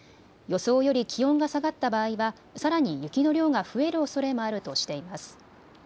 予想より気温が下がった場合はさらに雪の量が増えるおそれもあるとしています。